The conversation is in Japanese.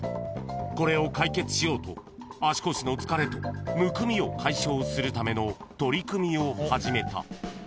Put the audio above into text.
［これを解決しようと足腰の疲れとむくみを解消するための取り組みを始めた］